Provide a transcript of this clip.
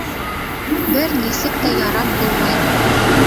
Бер нисек тә ярап булмай!